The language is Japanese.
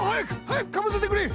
はやくかぶせてくれ！